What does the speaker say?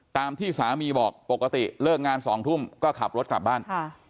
ตามที่สามีบอกปกติเลิกงาน๒ทุ่มก็ขับรถกลับบ้าน